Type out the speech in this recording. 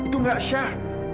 itu gak syah